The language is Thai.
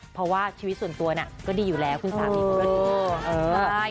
เพราะว่าชีวิตส่วนตัวก็ดีอยู่แล้วคุณสามี